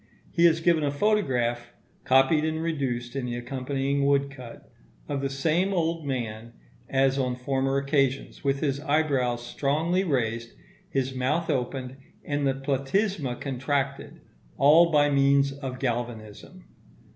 He has given a photograph (copied and reduced in the accompanying woodcut) of the same old man as on former occasions, with his eyebrows strongly raised, his mouth opened, and the platysma contracted, all by means of galvanism.